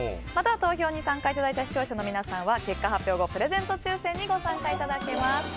また、投票に参加いただいた視聴者の皆さんは結果発表後、プレゼント抽選にご参加いただけます。